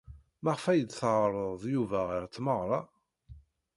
Maɣef ay d-teɛreḍ Yuba ɣer tmeɣra?